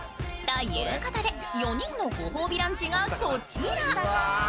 ということで４人のご褒美ランチがこちら。